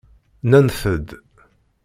Nnant-d.